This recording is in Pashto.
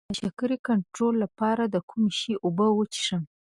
د شکر کنټرول لپاره د کوم شي اوبه وڅښم؟